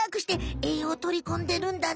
えいようをとりこんでるんだね。